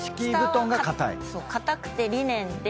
硬くてリネンで。